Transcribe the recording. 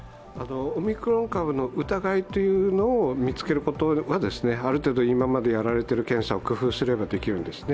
オミクロン株の疑いというのを見つけることはある程度、今までやられてる検査を工夫すればできるんですね。